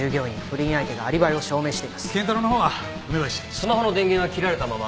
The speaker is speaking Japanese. スマホの電源は切られたまま。